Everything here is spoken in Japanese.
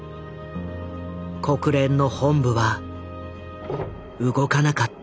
国連の本部は動かなかった。